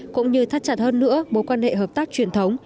cũng như thắt chặt hơn nữa mối quan hệ hợp tác truyền thống